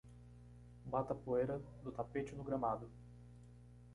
Bata a poeira do tapete no gramado.